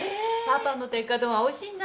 パパの鉄火丼はおいしいんだ。